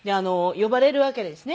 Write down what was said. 呼ばれるわけですね。